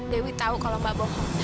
dewi tahu kalau mbak bohong